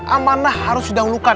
amanah harus didahulukan